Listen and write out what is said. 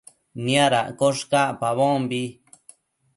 Niadaccosh cacpabombi